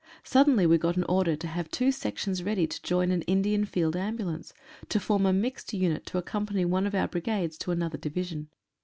Suddenly we got an order to have two sections ready to join an Indian, Field Ambulance, to form a mixed unit to accompany one of our Brigades to another Division.